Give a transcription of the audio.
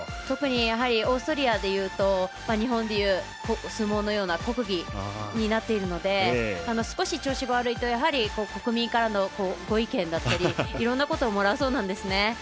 特にオーストリアでいうと日本でいう相撲のような国技になっているので少し調子が悪いと国民からのご意見だったりいろんなことをもらうそうなんですね。